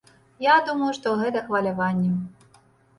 Я думаю, што гэта хваляванне.